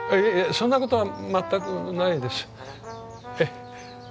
そんなことは全くないです。